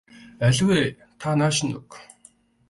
Аль вэ та нааш нь өг.